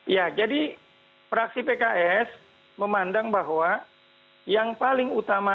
ya jadi praksi pks memandang bahwa yang paling utama